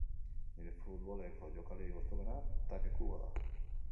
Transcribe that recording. Nire futboleko jokalari gustokoena Take Kubo da.